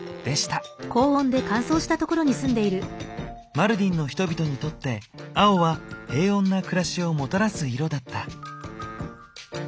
マルディンの人々にとって青は平穏な暮らしをもたらす色だった。